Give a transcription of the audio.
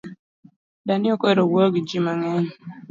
Dani ok ohero wuoyo gi jii mang’eny